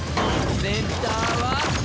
センターは僕！